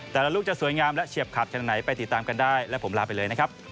ลูกจะสวยงามและเฉียบขาดขนาดไหนไปติดตามกันได้และผมลาไปเลยนะครับ